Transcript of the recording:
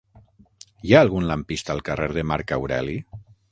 Hi ha algun lampista al carrer de Marc Aureli?